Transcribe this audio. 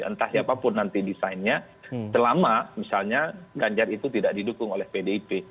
entah siapapun nanti desainnya selama misalnya ganjar itu tidak didukung oleh pdip